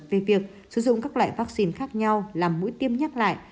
về việc sử dụng các loại vaccine khác nhau làm mũi tiêm nhắc lại